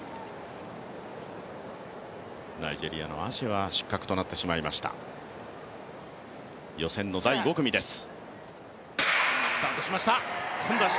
ナイジェリアのアシェは失格となってしまいました、予選の第５組です。